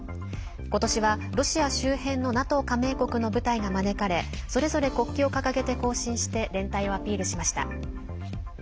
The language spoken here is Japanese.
ことしは、ロシア周辺のＮＡＴＯ加盟国の部隊が招かれそれぞれ国旗を掲げて行進して連帯をアピールしました。